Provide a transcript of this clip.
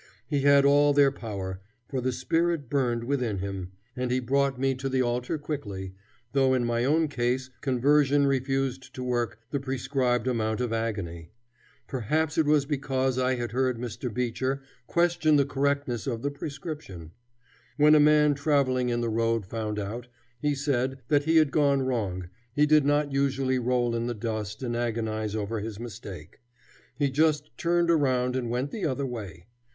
He had all their power, for the spirit burned within him; and he brought me to the altar quickly, though in my own case conversion refused to work the prescribed amount of agony. Perhaps it was because I had heard Mr. Beecher question the correctness of the prescription. When a man travelling in the road found out, he said, that he had gone wrong, he did not usually roll in the dust and agonize over his mistake; he just turned around and went the other way.